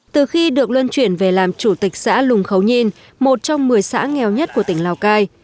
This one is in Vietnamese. từ khi được luân chuyển về làm chủ tịch xã lùng khấu nhiên một trong một mươi xã nghèo nhất của tỉnh lào cai